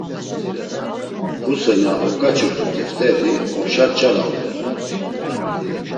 Xuse na oǩaçurt̆u teft̆eri opşa nç̌ara uğurt̆u.